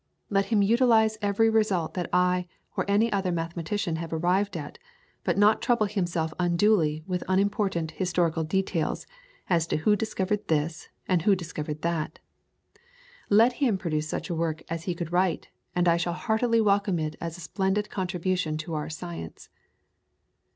Let him utilise every result that I or any other mathematician have arrived at, but not trouble himself unduly with unimportant historical details as to who discovered this, and who discovered that; let him produce such a work as he could write, and I shall heartily welcome it as a splendid contribution to our science."